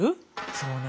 そうね